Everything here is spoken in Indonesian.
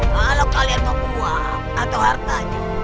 kalau kalian mau buang atau hartanya